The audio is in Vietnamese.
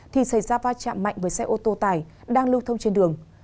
thì xảy ra va chạm mạnh với xe ô tô tải đang lưu thông trên đường